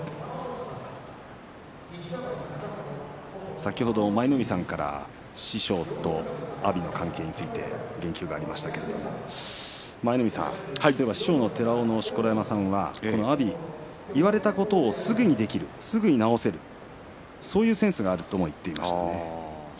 先ほど舞の海さんから師匠と阿炎の関係について言及がありましたけれども舞の海さん師匠の寺尾の錣山さんは阿炎、言われたことをすぐにできる、すぐに直せるそういうセンスがあるとも言っていましたね。